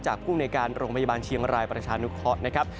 จากผู้ในการโรงพยาบาลเชียงรายประชานุคอศนะครับ